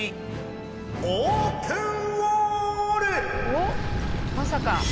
おっまさか。